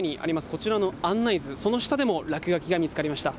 こちらの案内図、その下でも落書きが見つかりました。